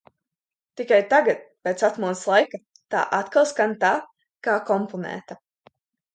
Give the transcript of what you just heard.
Tikai tagad pēc atmodas laika tā atkal skan tā kā komponēta.